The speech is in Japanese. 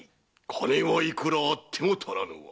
金はいくらあっても足らぬ。